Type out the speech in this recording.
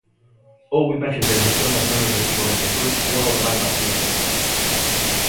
Houbo imaxes de decepción nos membros do equipo branquiazul logo do mal partido realizado.